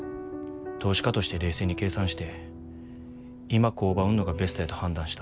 投資家として冷静に計算して今工場を売んのがベストやと判断した。